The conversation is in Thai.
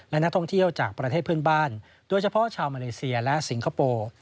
และนักท่องเที่ยวจากประเทศเพื่อนบ้านโดยเฉพาะชาวมาเลเซียและสิงคโปร์